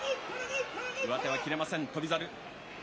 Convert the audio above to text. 上手は切れません、翔猿。